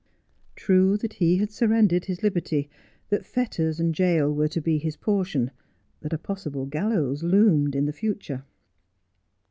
True that he had surrendered his liberty, that fetters and jail were to be his portion, that a possible gallows loomed in the future.